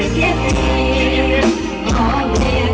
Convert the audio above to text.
อันนี้อันนี้